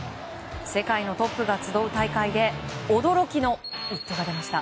世界のトップが集う大会で驚きの一投が出ました。